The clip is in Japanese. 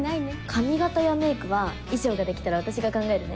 髪形やメークは衣装が出来たら私が考えるね。